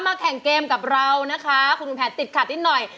แข่งเกมกับเรานะคะคุณลุงแผนติดขัดนิดหน่อย